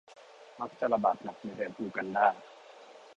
มักจะระบาดหนักในแถบอูกันดา